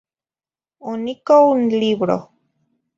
Onicoh n libroh.